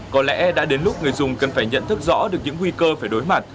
có lẽ đã đến lúc người dùng cần phải nhận thức rõ được những nguy cơ phải đối mặt